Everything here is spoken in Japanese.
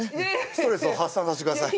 ストレスを発散させてください